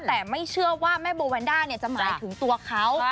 แต่ไม่เชื่อว่าแม่โบแวนด้าจะหมายถึงตัวเขา